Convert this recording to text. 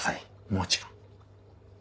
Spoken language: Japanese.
もちろん。